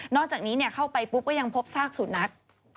อกจากนี้เข้าไปปุ๊บก็ยังพบซากสุนัข